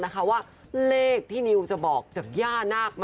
แชคก็ไม่เอาแล้ว